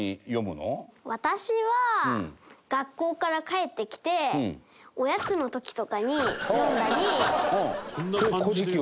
私は学校から帰ってきておやつの時とかに読んだり。